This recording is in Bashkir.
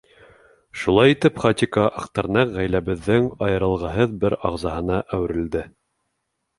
— Шулай итеп, Хатико-Аҡтырнаҡ ғаиләбеҙҙең айырылғыһыҙ бер ағзаһына әүерелде.